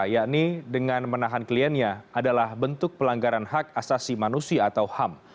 yakni dengan menahan kliennya adalah bentuk pelanggaran hak asasi manusia atau ham